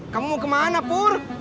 kamu kemana pur